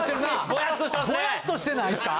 ぼやっとしてないですか？